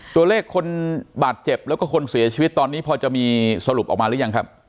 ตัวเลขคนบาดเจ็บแล้วก็คนเสียชีวิตตอนนี้พอจะมีสรุปออกมาหรือยังครับ